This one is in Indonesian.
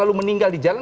lalu meninggal di jalan